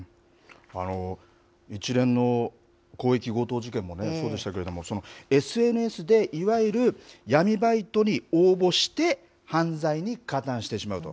一連の広域強盗事件もそうでしたけれども、ＳＮＳでいわゆる闇バイトに応募して、犯罪に加担してしまうと。